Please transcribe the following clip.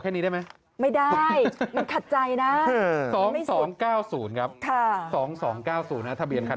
นี้ได้ไหมไม่ได้มันขัดใจนะ๒๒๙๐ครับ๒๒๙๐นะทะเบียนคัน